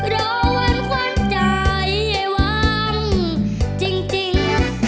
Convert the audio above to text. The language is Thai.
รอวันควันใจวันจริง